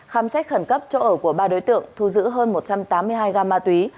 khám xét khẩn cấp chỗ ở của ba đối tượng thu giữ hơn một trăm tám mươi hai gam ma túy